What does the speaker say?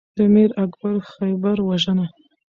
د میر اکبر خیبر وژنه